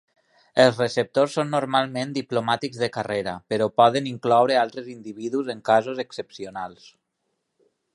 Els receptors són normalment diplomàtics de carrera, però poden incloure altres individus en casos excepcionals.